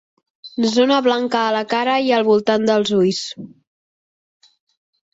Zona blanca a la cara i al voltant dels ulls.